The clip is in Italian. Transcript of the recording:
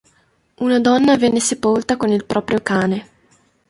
Una donna venne sepolta con il proprio cane.